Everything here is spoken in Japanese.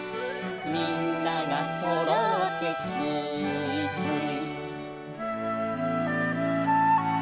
「みんながそろってつーいつい」